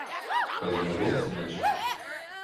Разве могло быть иначе?